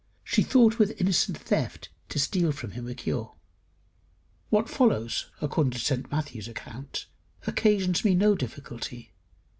She thought with innocent theft to steal from him a cure. What follows according to St Matthew's account, occasions me no difficulty.